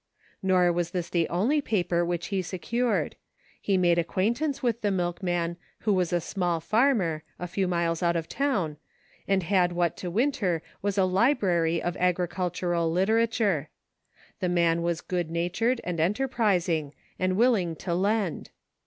Nor was this the only paper which he scoured. He made acquaintance with the milkman, who was a small farmer, a few miles out of town, and Il8 ENERGY AND FORCE. had what to Winter was a library of agricultural literature. The man was good natured and enter prising, and willing to lend.